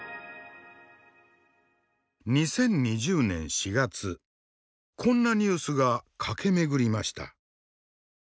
２０２０年４月こんなニュースが駆け巡りました。